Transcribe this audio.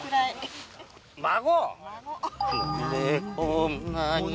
孫！